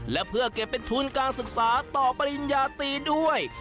และเพื่อเก็บเป็นทุนการศึกษาต่อปริญญาตีด้วย